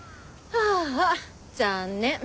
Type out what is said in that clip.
あーあ残念。